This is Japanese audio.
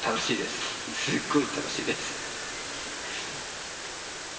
すっごい楽しいです。